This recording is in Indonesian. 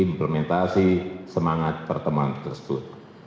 implementasi semangat pertemuan tersebut